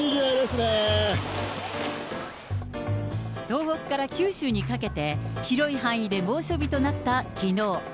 東北から九州にかけて、広い範囲で猛暑日となったきのう。